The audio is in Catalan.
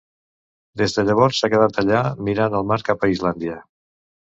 Des de llavors s'han quedat allà, mirant al mar cap a Islàndia.